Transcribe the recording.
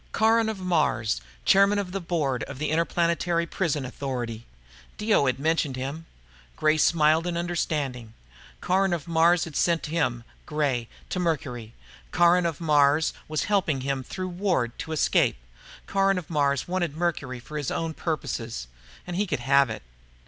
Caron of Mars, chairman of the board of the Interplanetary Prison Authority. Dio had mentioned him. Gray smiled in understanding. Caron of Mars had sent him, Gray, to Mercury. Caron of Mars was helping him, through Ward, to escape. Caron of Mars wanted Mercury for his own purposes and he could have it.